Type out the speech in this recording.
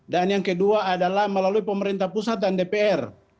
dan yang kedua adalah melalui pemerintah pusat dan dpr